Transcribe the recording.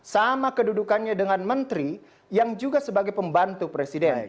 sama kedudukannya dengan menteri yang juga sebagai pembantu presiden